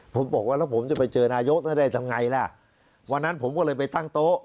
ผมบอกว่าแล้วผมจะไปเจอนายกได้ทำไงล่ะวันนั้นผมก็เลยไปตั้งโต๊ะ